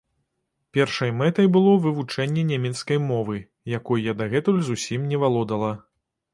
Першай мэтай было вывучэнне нямецкай мовы, якой я дагэтуль зусім не валодала.